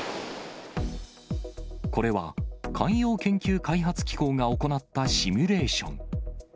これは海洋研究開発機構が行ったシミュレーション。